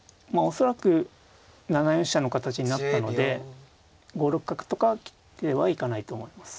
恐らく７四飛車の形になったので５六角とかでは行かないと思います。